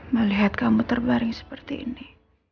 melihat kamu terbaring seperti ini